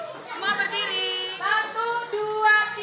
semuanya berdiri semuanya berdiri